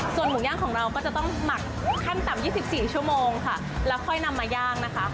ส่วนหมูย่างของเราก็จะต้องหมักขั้นต่ำ๒๔ชั่วโมงค่ะแล้วค่อยนำมาย่างนะคะ